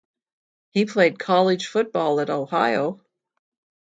He played college football at Ohio.